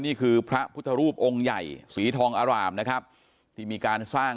นี่คือพระพุทธรูปองค์ใหญ่สีทองอร่ามนะครับที่มีการสร้าง